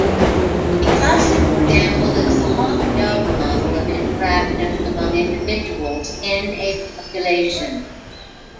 A classic example is the Hawk-Dove model of interactions among individuals in a population.